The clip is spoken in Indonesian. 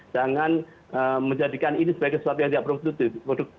jangan menjadikan ini sebagai sesuatu yang tidak produktif